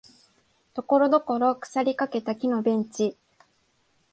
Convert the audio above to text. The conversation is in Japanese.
ところどころ腐りかけた木のベンチ